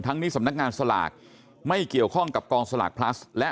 ทั้งนี้เกี่ยวข้องกับสำนักงานสลากกินแบ่งแบ่งรัฐบาล